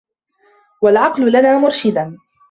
وَالْعَقْلَ لَنَا مُرْشِدًا